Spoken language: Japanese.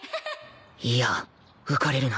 いや浮かれるな。